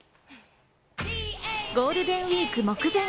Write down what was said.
ゴールデンウイーク目前。